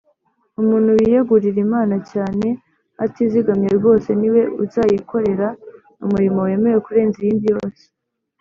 umuntu wiyegurira imana cyane atizigamye rwose ni we uzayikorera umurimo wemewe kurenza iyindi yose